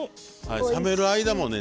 冷める間もね